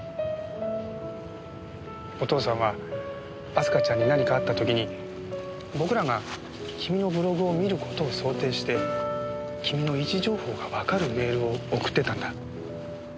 お父さんは明日香ちゃんに何かあった時に僕らが君のブログを見る事を想定して君の位置情報がわかるメールを送ってたんだ。